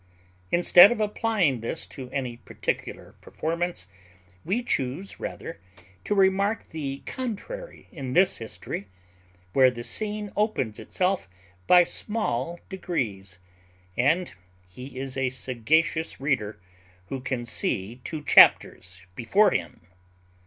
Instead of applying this to any particular performance, we chuse rather to remark the contrary in this history, where the scene opens itself by small degrees; and he is a sagacious reader who can see two chapters before him.